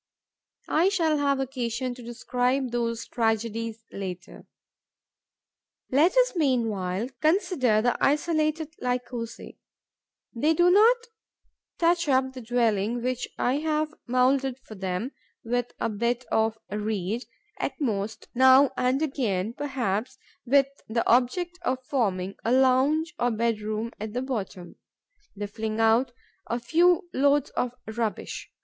I shall have occasion to describe those tragedies later. Let us meanwhile consider the isolated Lycosae. They do not touch up the dwelling which I have moulded for them with a bit of reed; at most, now and again, perhaps with the object of forming a lounge or bedroom at the bottom, they fling out a few loads of rubbish.